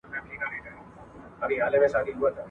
د شیکسپیر لاسلیک یو لوی علمي کشف و.